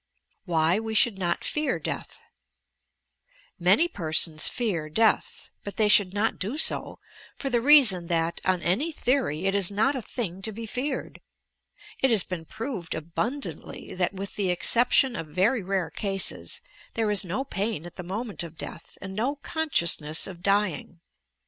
WHY WE SHOULD NOT PEAR DEATH Many persons fear death ; but they should not do bo for the reason that, on any theory, it is not a thing to be feared. It has been proved abundantly that, with the exception of very rare cases, there is no pain at the moment of death and no consciousness of dying.